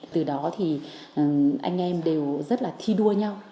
từ đó thì anh em đều rất là thi đua nhau